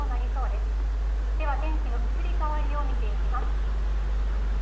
では、天気の移り変わりを見ていきます。